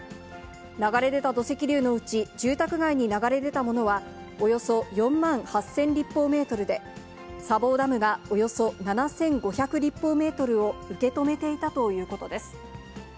流れ出た土石流のうち、住宅街に流れ出たものは、およそ４万８０００立方メートルで、砂防ダムがおよそ７５００立方メートルを受け止めていたということです。